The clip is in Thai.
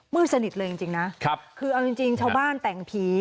สนิทเลยจริงนะคือเอาจริงชาวบ้านแต่งผี